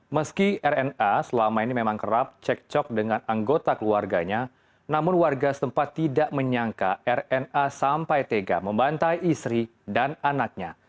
meski rna selama ini memang kerap cek cok dengan anggota keluarganya namun warga setempat tidak menyangka rna sampai tega membantai istri dan anaknya